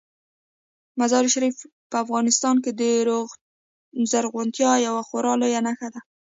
مزارشریف په افغانستان کې د زرغونتیا یوه خورا لویه نښه ده.